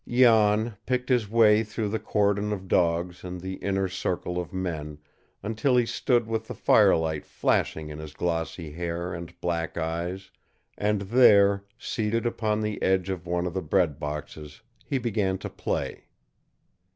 Jan picked his way through the cordon of dogs and the inner circle of men until he stood with the firelight flashing in his glossy hair and black eyes, and there, seated upon the edge of one of the bread boxes, he began to play.